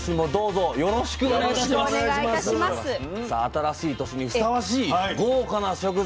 新しい年にふさわしい豪華な食材